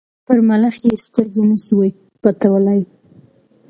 پر ملخ یې سترګي نه سوای پټولای